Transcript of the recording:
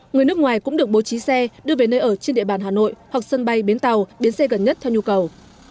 người nước ngoài cũng được bố trí xe đưa về nơi ở trên địa bàn hà nội hoặc sân bay biến tàu biến xe gần nhất theo nhu cầu